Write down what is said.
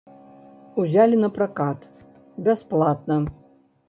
Узялі на пракат, бясплатна.